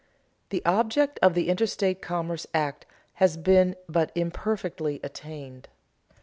_The object of the Interstate Commerce Act has been but imperfectly attained.